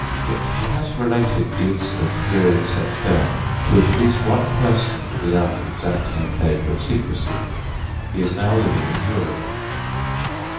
Yet he has related the incident herein set down to at least one person without exacting a pledge of secrecy. He is now living in Europe.